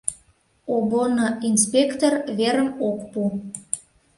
Обоно инспектор верым ок пу...